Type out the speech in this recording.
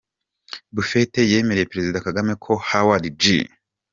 Buffett yemereye Perezida Kagame ko Howard G.